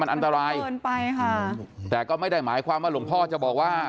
อันตรายเกินไปค่ะแต่ก็ไม่ได้หมายความว่าหลวงพ่อจะบอกว่า